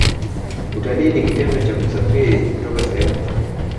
Utalii ni kitendo cha kusafiri kutoka sehemu moja